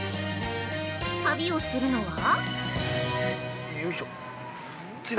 旅をするのは。